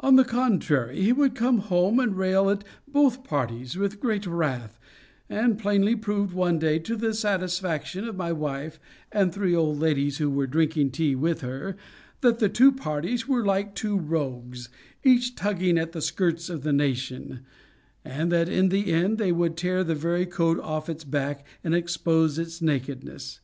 On the contrary, he would come home and rail at both parties with great wrath and plainly proved one day to the satisfaction of my wife, and three old ladies who were drinking tea with her, that the two parties were like two rogues, each tugging at the skirt of the nation; and that in the end they would tear the very coat off its back, and expose its nakedness.